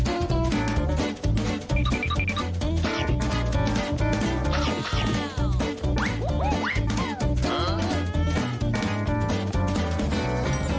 โอ้โฮ